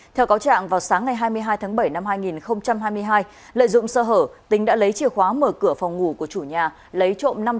theo cáo trạng vào sáng ngày hai mươi hai tháng bảy năm hai nghìn hai mươi hai lợi dụng sơ hở tính đã lấy chìa khóa mở cửa phòng ngủ của chủ nhà lấy trộm năm trăm linh triệu đồng